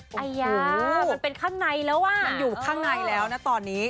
ยามันเป็นข้างในแล้วอ่ะมันอยู่ข้างในแล้วนะตอนนี้